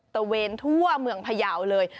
ตะเวนทั่วเมืองพยาวเลย